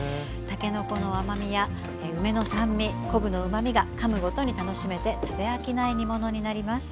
たけのこの甘みや梅の酸味昆布のうまみがかむごとに楽しめて食べ飽きない煮物になります。